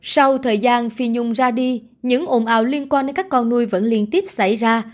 sau thời gian phi nhung ra đi những ồn ào liên quan đến các con nuôi vẫn liên tiếp xảy ra